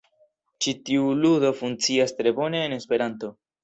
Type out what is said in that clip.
Ĉi tiu ludo funkcias tre bone en Esperanto.